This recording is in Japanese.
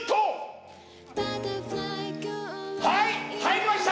はい入りました！